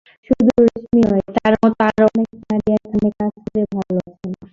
শুধু রেশমী নন, তাঁর মতো আরও অনেক নারী এখানে কাজ করে ভালো আছেন।